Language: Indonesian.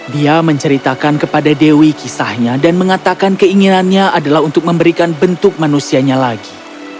dia menceritakan kepada dewi kisahnya dan mengatakan keinginannya adalah untuk memberikan bentuk manusianya lagi